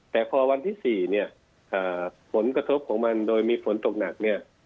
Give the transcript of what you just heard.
แต่พอวันที่๔เนี่ยผลกระทบของมันโดยมีฝนตกหนักเนี่ย